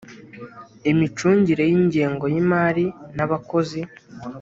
imicungire y ingengo y imari n abakozi